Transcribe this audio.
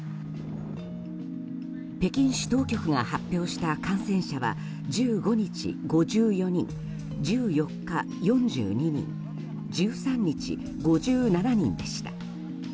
北京市当局が発表した感染者は１５日、５４人１４日、４２人１３日、５７人でした。